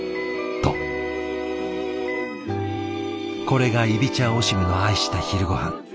これがイビチャ・オシムの愛した昼ごはん。